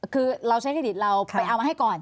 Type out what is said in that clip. คือเราใช้เครดิตเราไปเอามาให้ก่อน